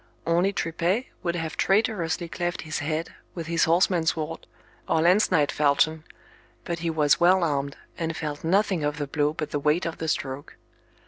Only Tripet would have traitorously cleft his head with his horseman's sword, or lance knight falchion; but he was well armed, and felt nothing of the blow but the weight of the stroke.